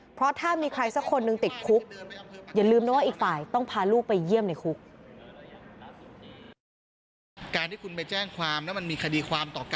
เพราะถ้ามีใครสักคนนึงติดคุก